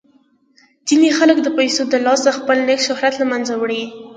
ځینې خلک د پیسو د لاسه خپل نیک شهرت له منځه وړي.